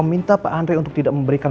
minta pak andre untuk tidak memberikan